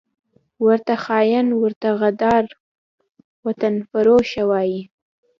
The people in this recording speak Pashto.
ورته خاین، ورته غدار، وطنفروشه وايي